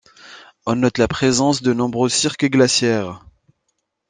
On note la présence de nombreux cirques glaciaires.